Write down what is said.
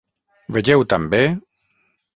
Vegeu també: